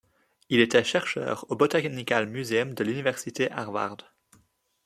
Il était chercheur au Botanical Museum de l'université Harvard.